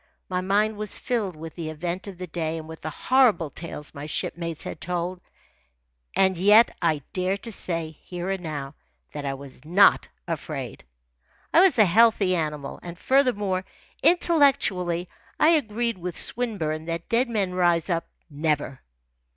My mind was filled with the event of the day and with the horrible tales my shipmates had told, and yet I dare to say, here and now, that I was not afraid. I was a healthy animal, and furthermore, intellectually, I agreed with Swinburne that dead men rise up never.